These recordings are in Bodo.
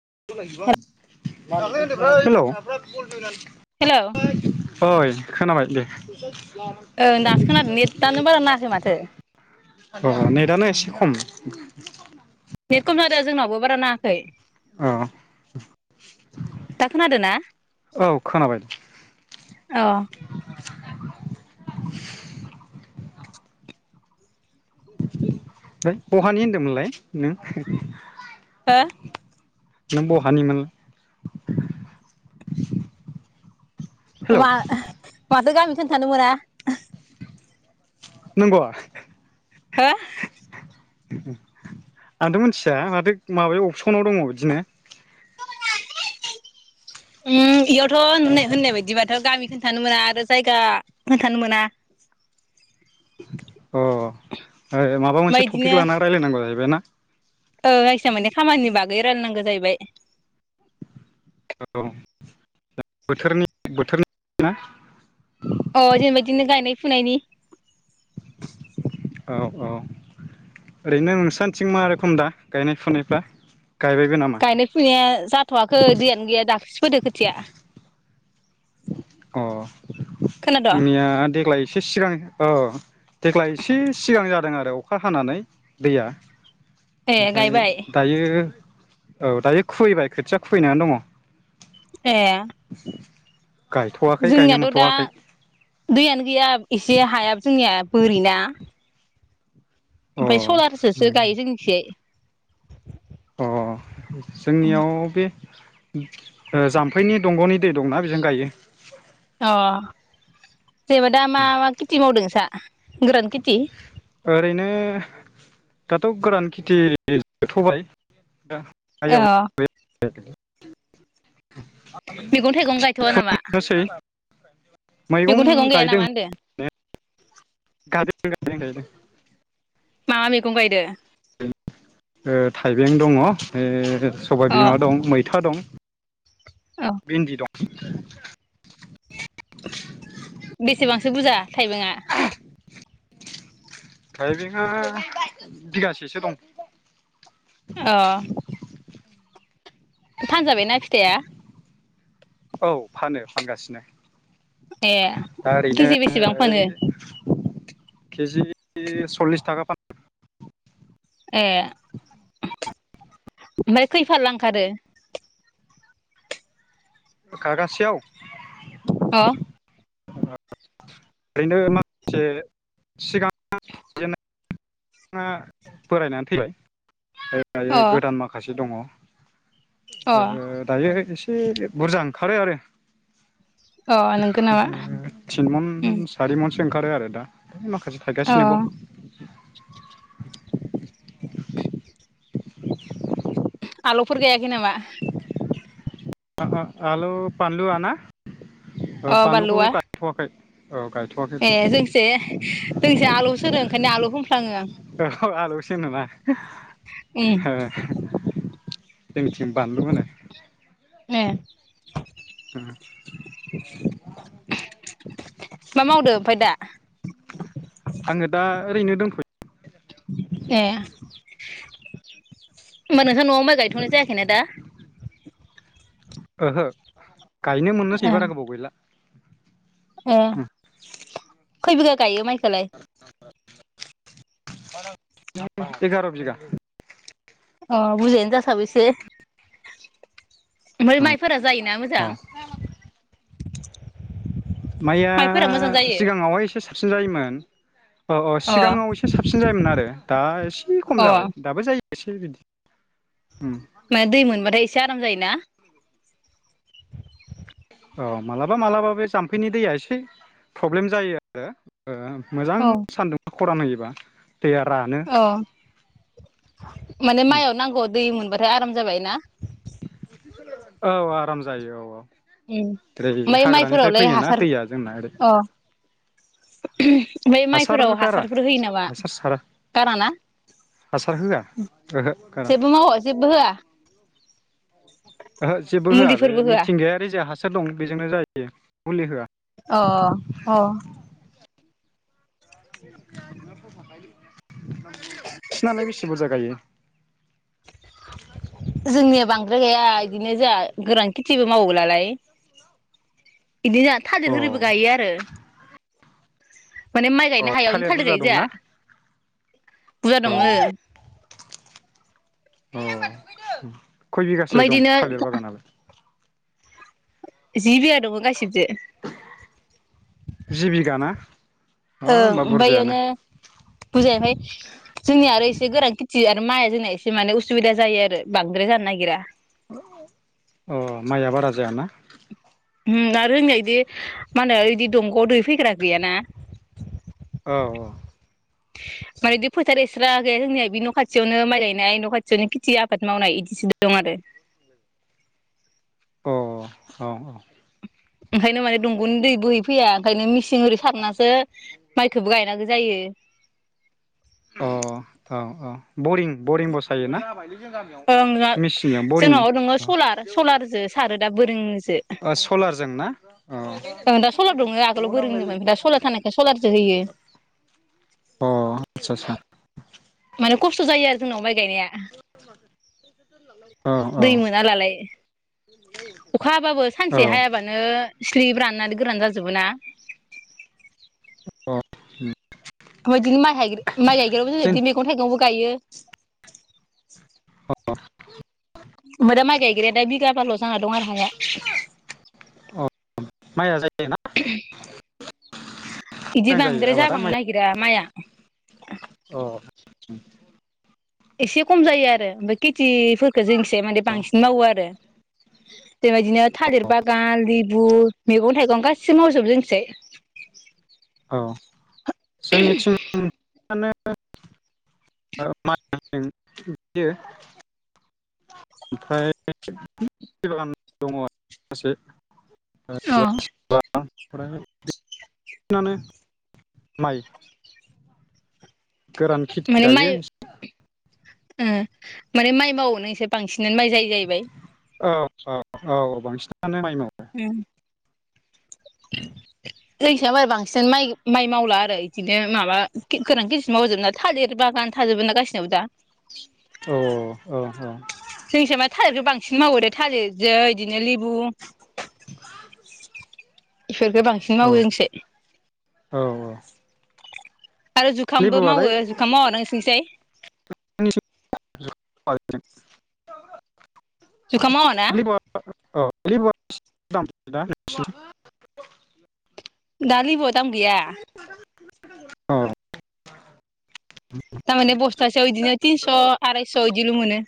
[unintelligible] [unintelligible] हेल' ओइ खोनाबाय दे दासो खोनादों नेटआनो बारा नाङाखै माथो अ नेटानो एसे खम खै औ दा खोनादों ना औ खोनाबाय अ फाय बहानि होनदोंमोनलाय नों? हो? नों बाहानिमोन? वा माथो गामि खोन्थानो मोना नंगौ हो? आंथ' मिथिया माथो माबायाव अपसनाव दङ बिदिनो [inaudible] उम इयाव [unintelligible] होन होननाय बायदिबाथ' गामि खोनथानो मोना आरो जायगा खोनथानो मोना [inaudible] अ ओ माबा मोनसे ओमफ्राय टपिक लानानै रायज्लायनांगौ जाहैबाय ना औ जायखिया मोननाय खामानिनि बागै रायलायनांगौ जाहैबाय औ बोथोरनि बोथोरनि ना? अ जेनेबा इदिनो गायनाय फुनायनि औ औ ओरैनो नोंसाथिं मा रोखोम दा गायनाय फुनायफ्रा? गायबायबो नामा गायनाय फुनाया जाथ'वाखै दैयानो गैया दाख्लिसो फोदो खोथिया अ खोनाद' जोंनिया देग्लाय एसे सिगां औ देग्लाय एसे सिगां जादों आरो अखा हानानै दैया ए ओमफाय गायबाय दायो औ दायो खुबैबाय खोथिया खुबैनायानो दङ। ए गायथ'वाखै गायनो जोंनियाथ' दा मोनथ'वाखै दैयानो गैया एसे हायाबो जोंनिया बोरिना अ ओमफ्राय सलारजोंसो गायो जोंनिथिंजाय अ जोंनियाव बे ओ जाम्फैनि दंग'नि दै दंना बेजों गायो अ जेनेबा दा मा मा खेथि मावदों नोंसा? गोरान केटि ओरैनो दाथ' गोरान खेथि [unintelligible] बाय। अ [unintelligible] [unintelligible] मैगं थाइगं गायथ'वा नामा नोसै मैगं मैगं थाइगं गाया गायदों नामा होनदो? [unintelligible] मा मा मैगं गायदो थाइबें दङ' ओ सबाय अ बिमा दं मैथा दं अ [inaudible] भिन्दि दं। [inaudible] बेसेबांसो बुरजा थाइबेंआ [inaudible] थाइबेंआ बिगासेसो दं। अ। फानजाबायना फिथाइआ। औ फानो फानगासिनो। ए दा ओरैनो केजि बेसेबां फानो। केजि सल्लिस थाखा फान ए ओमफ्राय खैफालला ओंखारो। खागासेयाव। अ ओरैनो माखासे सिगां जेन ना बोरायनानै थैबाय। ओ दायो अ गोदान माखासे दङ। अ ओ दायो एसे एसे बुरजा ओंखारो आरो अ नंगौ नामा? थिनमन उम मोनसे ओंखारो आरो दा। माखासे अ थागासिनोबाव। [inaudible] आलौफोर गायाखै नामा। आ आ आलु पान्लुआना? ओ अ बानलुखौ बानलुआ गायथ'वाखै। औ गायथ'वाखै ए जोंसे जोंसे आलौ सो ओंखायनो आलौ बुंफ्लाङो आं। जेनोबा उम हो जोंनिथिं बानलु होनो। ए ओ मा मावदो ओमफ्राय दा? आङो दा ओरैनो दोनथ'यो। ए होमबा नोंसोर न'आव माइ गायथ'नाय जायाखैना दा? ओहो। गायनो मोननोसै ए बारा गोबाव गैला। ए खैबिगा गायो माइखो खोलाय? [unintelligible] एगार' बिगा अ बुजायानो जासाबो इसे। ओमफ्राय माइफोरा जायोना मोजां? अ माइया माइफोरा मोजां जायो सिगाङावहाय एसे साबसिन जायोमोन। औ औ अ सिगाङाव एसे साबसिन जायोमोन आरो दा एसे खम अ जाबाय दाबो जायो। से बिदि उम माने दै मोनबाथाय एसे आराम जायो। ना औ मालाबा मालाबा बे जाम्फैनि दैया एसे प्र'ब्लेम जायो आरो। ओ मोजां सानदुं ख'रान होयोबा दैया रानो अ माने माइआव नांगौआव दै मोनबा दा आराम जाबाय ना? औ आराम जायो औ औ। ओम ओरै ओमफ्राय हाग्रानिफ्राय माइफोरावलाय फैयोना हासार दैया जोंना ओरै अ' ओमफ्राय माइफोराव हासार गारा हासारफोर होयो नामा हासार सारा गाराना, हासार होआ ओहो गारा जेबो मावा जेबो होआ? ओहो जेबो होआ बे मुलिफोरबो होआ मिथिंगायारि जे हास सार दं बेजोंनो जायो मुलि होआ। अ अ अ बिसनालाय बेसे बुरजा गायो जोंनिया बां [unintelligible] गैया बिदिनो जोंहा गोरान खि खेथिबो मावोब्लालाय बिदि जों थादिर होरिबो अ गायो आरो माने माइ अ गायनो हायावनो थालिर बुरजा गायो दंना जोंहा बुरजा अ दङो। औ खय बिगासो दं बिदिनो थालिर बागानालाइ? जि बिगा दङ गासिब जि बिघा ना? अ ओं होमबा ओमफ्राय बुरजायानो बेयावनो बुजाया हाय जोंनिया आरो एसे गोरान खेथि आरो माइआ जोंना एसे माने उसुबिदा जायो आरो बांद्राय जानो नागिरा। अ माइया बारा जायाना? उमहु आरो जोंनिया इदि मा होनो इदि दंग'आव दै फैग्रा गैयाना। औ औ माने इदि फोथार एस्रा गैया जोंनिया बे न' खाथियावनो माइ गायनाय न' खाथियावनो खेथि आबाद मावनाय इदिसो दं आरो। औ औ औ औ ओंखायनो माने दंग'नि दै बोहैफैया ओंखायनो मिसि सिनजों सारनासो माइखोबो गायनांगौ जायो। अ औ औ बरिं बरिं बसायोना? ओं ओ मेचिनजों जोंनाव न'आव सलार सलारजो सारो दा बोरों सो ओ सलारजों ना अ दा सलार दङ आगोलाव बोरोंनोओमफ्राय दा सलार थानायखाय सलारजों होयो। अ आदसा आदसा माने खस्थ' जायो आरो जोंनावहाय। गायनाया औ औ दै मोना नालाय। अखा हाबाबो औ सानसे हायाबानो स्लिब राननानै गोरान जाजोबो ना। [inaudible] मा बादिनो माइ गाइ माइ गायग्रायाबो जों जोंनि मैगं-थाइगंबो गायो। [inaudible] अ ओमफाय दा माइ गायग्राया दा बिगाबा ल' दं आरो हाया। अ माइया जायोना? [unintelligible] इदि मोजां जायो बांद्राय आबादा जाबांनो माइ नागिरा माइआ [inaudible] अ एसे खम जायो आरो बे खे थिफोरखौ जोंनिखैजाय माने बांसिन मावो आरो बेबायदिनो थालिर बागान लेबु मैगं-थाइगं गासिबो मावजोबो जोंनिथिंजाय। औ जोंनिथिं [unintelligible] ओमफ्राय बागान दङ आरो माखासे। अ [unintelligible] [unintelligible] माय गोरान खेथि माने माइ गायो एसे ओ माने माइ मावो नों एसे बांसिनानो माइ जायो जाहैबाय। औ औ औ औ बांसिनानो माइमोन अम जोंनिसाय बांसिनानो माइ-माइ मावला आरो इदिनो माबा गोरान खेथिसो मावजोबो ना थालिर बागान थाजोबो ना गासिनावबो दा औ औ औ थालिरजों बांसिन मावोदे थालिरजों इदिनो लेबु इफोरखो बांसिन औ मावो जोंनिसाय। औ आरो जुखामबो लेबुआलाय मावो जुखाम मावा ना नोंथिंसाय [unintelligible] जुखाम मावा ना लिबुआ बेसे दाम दा दा लिबुआ दाम गैया औ थारमाने बस्थासेयाव बिदिनो तिनस' आरायस' इदिल' मोनो।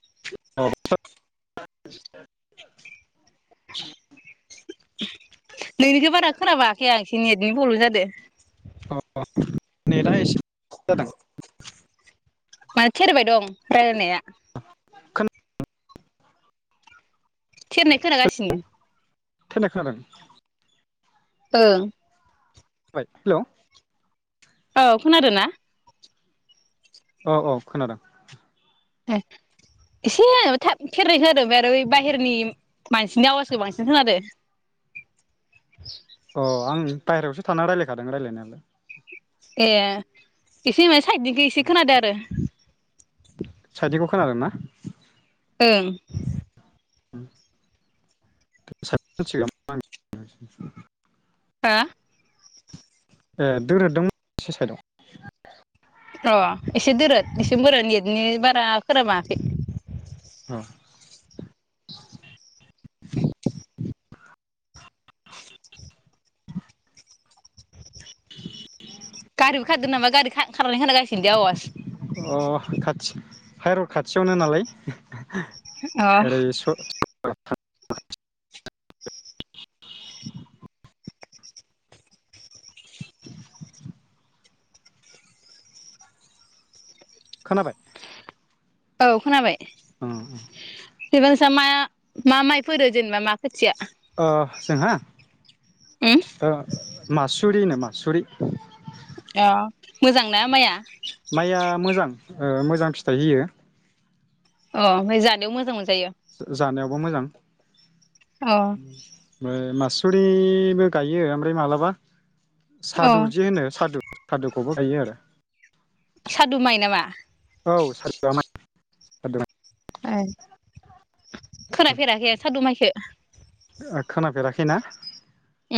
[unintelligible] नोंनिखौ बारा खोनाबाङाखै आं एसे नेटनि प्रब्लेम जादो नेटा एसे [unintelligible] जादों। मा थेरबाय दं रायलायनाया थेरनाय खोनागासिनो थेरनाय खोनादों ओं हेलौ औ खोनादो ना औ औ खोनादों ए एसे थाब थेरनाय खोनादों बे आरो बाहेरनि मानसिनि आवाजखौ बांसिन खोनादों अ आं बायरावसो थाना रायलायखादों रायलायनायालाय ए इसे मासि साइदनिखौ एसे खोनादो आरो सायथनिखौ खोनादों ना ओं [unintelligible] हो ए दोरोदोंमोन इसे साइदआव अ एसे दोरद एसे बोरा नेथनि बारा खोना बांङाखै औ [inaudible] गारिबो खारदो नामा गारि खार खारनाय खोनागासिनो दे आवास अ खाथि हायरड खाथियावनो नालाय अ ओरै स [inaudible] [inaudible] खोनाबाय औ खोनाबाय ओं बेबांसा माया मा माइफोरो जेनेबा मा फोदो अ जोंहा उम ओ मासुरिनो मासुरि अ मोजांना माइया माइया मोजां ओ मोजां फिथाइ होयो अ ओमफाय जानायाव मोजां मोनजा जा जानायाव बो मोजां [inaudible] अ ओमफ्राय मासुरिबो गायो ओमफ्राय मालाबा अ सादु जे होनो सादु सादुखौबो गायो आरो सादुु माइ नामा औ सादुआ माइ सादु माइ आरो खोनाफेराखै आ सादु माइखो ओ खोनाफेराखैना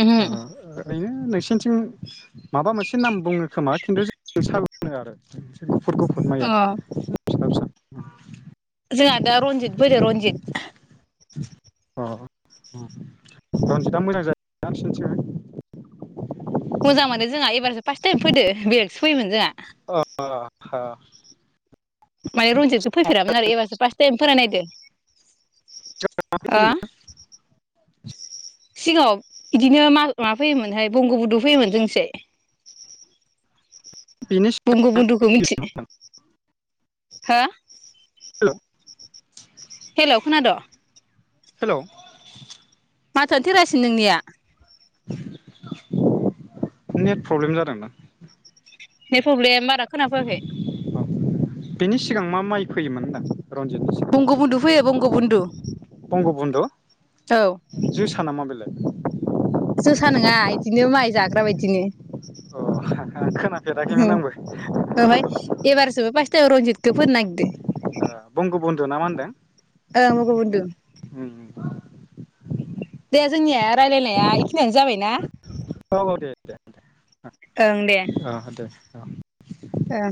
उमहो ओरैनो नोंसिनिथिं माबा मोनसे नाम बुङो खोमा खिन्थु जों [inaudible] होनो आरो गुफुर गुफुर माइया अ फिसा फिसा [inaudible] जोंहा दा रनजित फोदों रनजित अ रन्जितआ मोजां जायोना नोंसनिथि? मोजां मानि जोंहा एबारसो फार्स टाइम फोदों बेलेगसो फोयोमोन जोंहा। अ अ हो माने रनजितखौ फोफेरामोन आरो एबारसो पास टाइम फोनायनायदों। [inaudible] सिगाङाव बिदिनो मा माबा फैयोमोनहाय बंग' बुदु फैयोमोन जोंनिथिङै। बेनि बंग' बुन्दुखौ मिथि सिगां हा। हेल' हेल' खोनादों? हेल'! माथोआनो थेरासै नोंनिया। नेट प्रब्लेम जादों दां‌। Net problem? बारा खोनाफैयाखै। माय फैयोमोन होनदां? रनजितनि बंग' बुन्दु फैयो बंग बुन्दु। [inaudible] बंग बुन्दु? औ जोसा नामा बेलाय? जोसा नङा इदिनो माइ जाग्रा बायदिनो। अ हा हा खोनाफेराखैमोन आंबो। टाइम रनजिदखौ फोनो नागिरदों। बंग' बन्धु ना मा होनदों? ओं बगबन्धु दे जोंनिया रायलायनाया बेखिनियानो जाबायना? औ औ दे दे दे। अ दे। औ। औ।